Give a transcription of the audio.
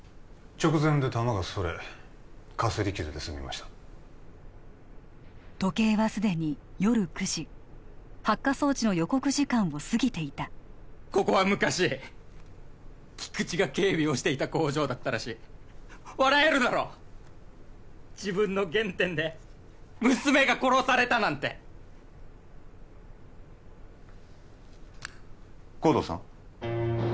直前で弾がそれかすり傷で済みました時計はすでに夜９時発火装置の予告時間を過ぎていたここは昔菊知が警備をしていた工場だったらしい笑えるだろ自分の原点で娘が殺されたなんて護道さん